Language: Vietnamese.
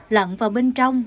lận vào bên trong